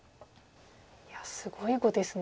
いやすごい碁ですね。